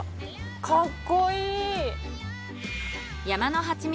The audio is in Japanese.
かっこいい！